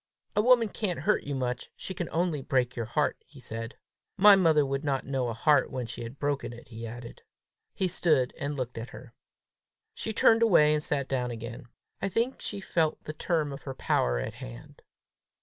"A woman can't hurt you much; she can only break your heart!" he said. "My mother would not know a heart when she had broken it!" he added. He stood and looked at her. She turned away, and sat down again. I think she felt the term of her power at hand.